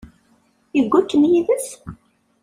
Yewwi-kem yid-s?